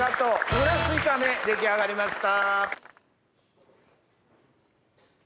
おナス炒め出来上がりました。